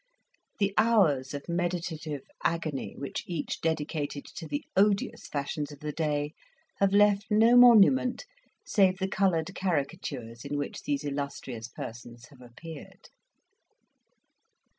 The hours of meditative agony which each dedicated to the odious fashions of the day have left no monument save the coloured caricatures in which these illustrious persons have appeared.